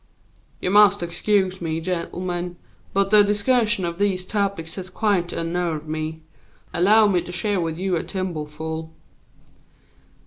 "You must excuse me, gentlemen, but the discussion of these topics has quite unnerved me. Allow me to share with you a thimbleful."